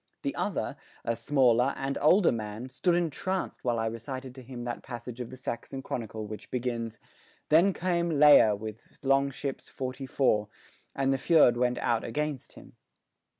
The other, a smaller and older man, stood entranced while I recited to him that passage of the Saxon Chronicle which begins, "Then came Leija with longships forty four, and the fyrd went out against him."